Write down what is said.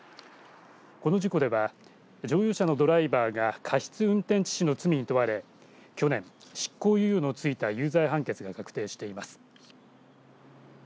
この事故では乗用車のドライバーが運転致死の罪に問われ去年、執行猶予の付いた有罪判決が確定しています。